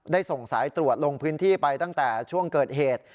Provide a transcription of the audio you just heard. ส่งสายตรวจลงพื้นที่ไปตั้งแต่ช่วงเกิดเหตุ